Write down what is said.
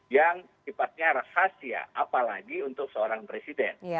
yang sifatnya rahasia apalagi untuk seorang presiden